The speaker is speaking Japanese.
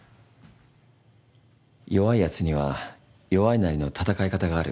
弱いやつには弱いなりの闘い方がある。